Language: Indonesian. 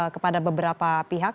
kepada beberapa pihak